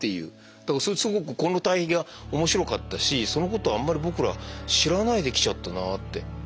だからすごくこの対比が面白かったしそのことをあんまり僕ら知らないできちゃったなぁって。